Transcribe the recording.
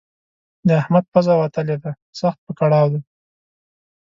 د احمد پزه وتلې ده؛ سخت په کړاو دی.